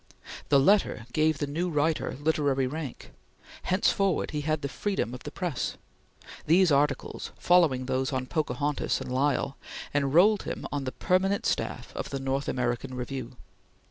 The letter gave the new writer literary rank. Henceforward he had the freedom of the press. These articles, following those on Pocahontas and Lyell, enrolled him on the permanent staff of the North American Review.